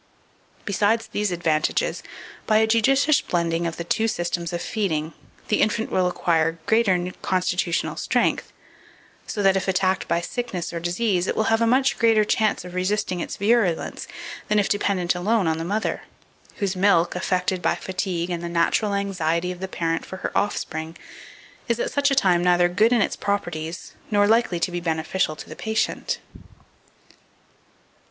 Besides these advantages, by a judicious blending of the two systems of feeding, the infant will acquire greater constitutional strength, so that, if attacked by sickness or disease, it will have a much greater chance of resisting its virulence than if dependent alone on the mother, whose milk, affected by fatigue and the natural anxiety of the parent for her offspring, is at such a time neither good in its properties nor likely to be beneficial to the patient.